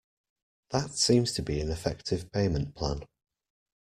That seems to be an effective payment plan